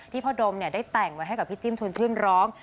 พ่อดมได้แต่งไว้ให้กับพี่จิ้มชวนชื่นร้อง